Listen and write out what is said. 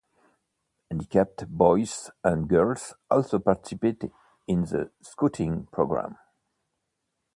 Handicapped boys and girls also participate in the Scouting program.